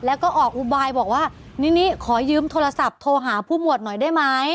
แล้วก็ออกอุบายบอกว่านิขอยืมโทรศัพท์โทรหาผู้หมวดหน่อยได้ไหม